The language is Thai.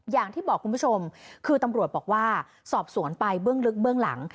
อย่างที่บอกคุณผู้ชมคือตำรวจบอกว่าสอบสวนไปเบื้องลึกเบื้องหลัง